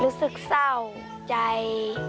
รู้สึกเศร้าใจ